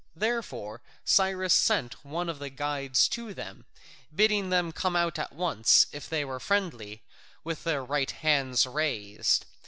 Therefore Cyrus sent one of the guides to them, bidding them come out at once, if they were friendly, with their right hands raised.